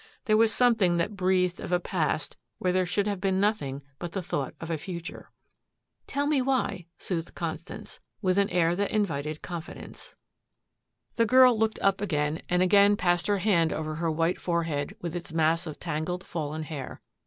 There was something that breathed of a past where there should have been nothing but the thought of a future. "Tell me why," soothed Constance with an air that invited confidence. The girl looked up and again passed her hand over her white forehead with its mass of tangled fallen hair.